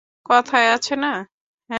কথায় আছে না?